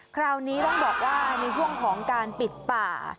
คราวนี้ต้องบอกว่าในช่วงของการปิดป่า